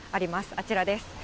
あちらです。